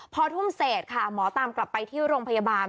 พอทุ่มเสร็จค่ะหมอตามกลับไปที่โรงพยาบาล